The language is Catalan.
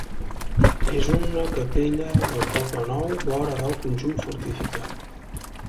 És una capella del poble nou, vora del conjunt fortificat.